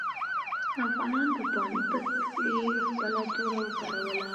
افغانانو په پاني پت کې خپله توره وکاروله.